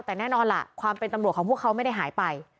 แต่แน่นอนล่ะความเป็นตำรวจของพวกเขาไม่ได้หายไป